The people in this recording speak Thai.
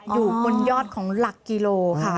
อยู่บนยอดของหลักกิโลค่ะ